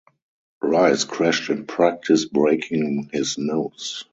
Rice crashed in practice breaking his nose.